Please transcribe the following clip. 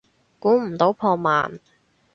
估唔到破万